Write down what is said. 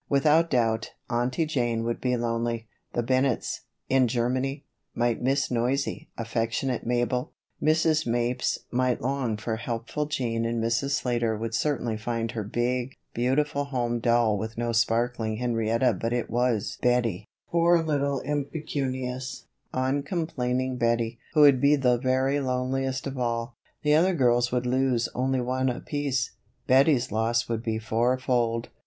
Without doubt, Aunty Jane would be lonely; the Bennetts, in Germany, might miss noisy, affectionate Mabel, Mrs. Mapes might long for helpful Jean and Mrs. Slater would certainly find her big, beautiful home dull with no sparkling Henrietta but it was Bettie, poor little impecunious, uncomplaining Bettie, who would be the very loneliest of all. The others would lose only one girl apiece; Bettie's loss would be fourfold.